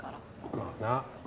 まあな。